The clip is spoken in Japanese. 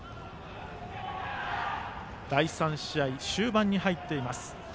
第３試合終盤に入っています。